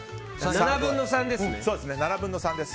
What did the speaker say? ７分の３ですね。